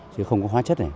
chứ không có hóa chất này